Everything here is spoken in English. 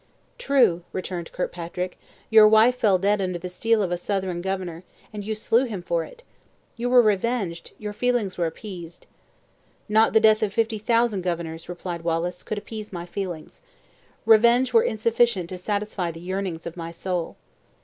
"True," returned Kirkpatrick, "your wife fell dead under the steel of a Southron governor; and you slew him for it! You were revenged; your feelings were appeased." "Not the death of fifty thousand governors," replied Wallace, "could appease my feelings. Revenge were insufficient to satisfy the yearnings of my soul."